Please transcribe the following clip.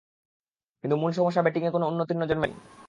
কিন্তু মূল সমস্যা ব্যাটিংয়ে কোনো উন্নতির নজর মেলেনি।